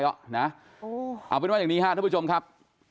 เอาเป็นว่าอย่างนี้ครับทุกผู้ชมครับ